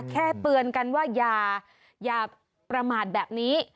แค่เตือนกันว่าอย่าประมาทแบบนี้